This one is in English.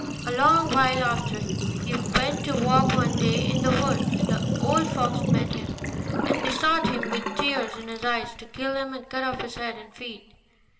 A long while after, he went to walk one day in the wood, and the old fox met him, and besought him with tears in his eyes to kill him, and cut off his head and feet.